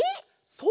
そう！